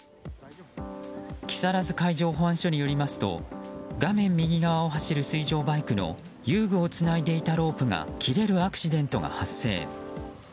木更津海上保安署によりますと画面右側を走る水上バイクの遊具をつないでいたロープが切れるアクシデントが発生。